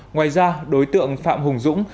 ngoài ra đối tượng phạm hùng dũng